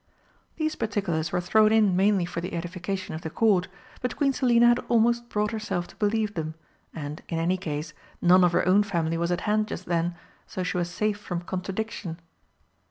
These particulars were thrown in mainly for the edification of the Court, but Queen Selina had almost brought herself to believe them, and, in any case, none of her own family was at hand just then, so she was safe from contradiction.